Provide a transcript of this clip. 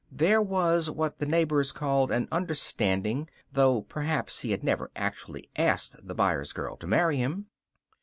There was what the neighbors called an understanding, though perhaps he had never actually asked the Byers girl to marry him.